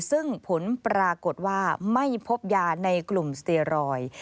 ซึ่งผลปรากฏว่าไม่พบยาในกลุ่มสเตียรอยด์